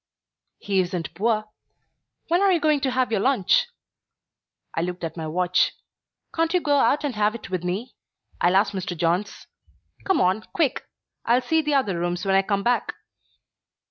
"He isn't poor. When are you going to have your lunch?" I looked at my watch. "Can't you go out and have it with me? I'll ask Mr. Johns. Come on, quick. I'll see the other rooms when I come back."